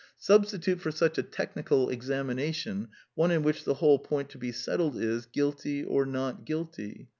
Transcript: Substi tute for such a technical examination one in which the whole point to be settled is, Guilty or Not Guilty?